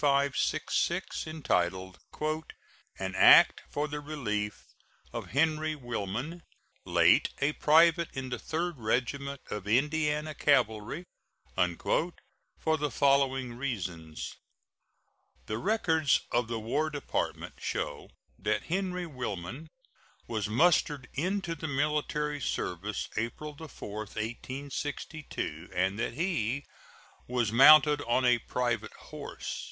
2566, entitled "An act for the relief of Henry Willman, late a private in the Third Regiment of Indiana Cavalry," for the following reasons: The records of the War Department show that Henry Willman was mustered into the military service April 4, 1862, and that he was mounted on a private horse.